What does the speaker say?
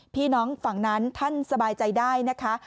พี่น้องฝั่งนั้นท่านสบายใจได้นะคะ